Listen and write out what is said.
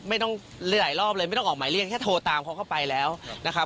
หลายรอบเลยไม่ต้องออกหมายเรียกแค่โทรตามเขาเข้าไปแล้วนะครับ